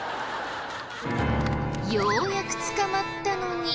ようやくつかまったのに。